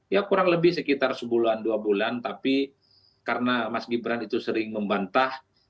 ya kurang lebih sekitar sebulan dua bulan tapi karena mas gibran itu sering membantah